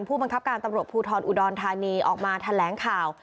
ผู้บังคับการตำรวจภูทรอุดรธานีออกมาแถลงข่าว